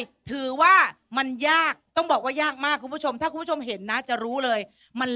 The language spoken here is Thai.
เลขอะไร